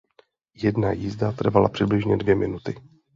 Jedna jízda trvala přibližně dvě minuty.